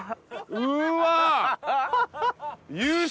うわ！